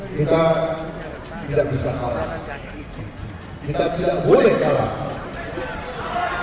kita tidak bisa kalah kita tidak boleh kalah